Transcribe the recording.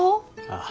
ああ。